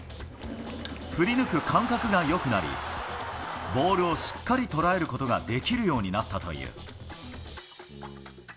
振り抜く感覚がよくなり、ボールをしっかり捉えることができるようになったという。